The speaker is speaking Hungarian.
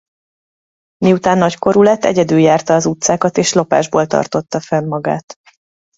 Miután nagykorú lett egyedül járta az utcákat és lopásból tartotta fenn magát.